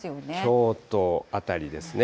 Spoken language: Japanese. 京都辺りですね。